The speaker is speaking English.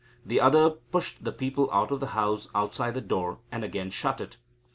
The other pushed the people of the house outside the door, and again shut it.